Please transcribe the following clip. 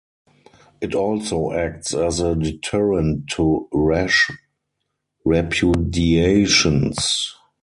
It also acts as a deterrent to rash repudiations.